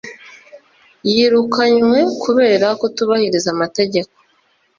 yirukanywe kubera kutubahiriza amategeko.